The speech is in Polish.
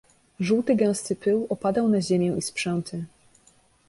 "Żółty gęsty pył opadał na ziemię i sprzęty."